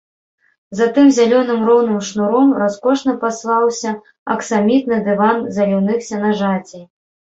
За тым зялёным роўным шнуром раскошна паслаўся аксамітны дыван заліўных сенажацей.